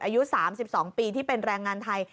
อายุ๓๒ปีที่เป็นแรงงานไทย